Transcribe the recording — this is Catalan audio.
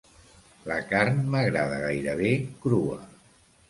La carn m'agrada gairebé crua.